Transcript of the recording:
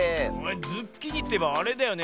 ズッキーニっていえばあれだよね。